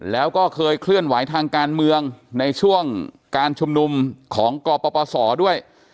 แล้วก็เคยเคลื่อนไหวทางการเมืองในช่วงการชุมนุมของกปศด้วย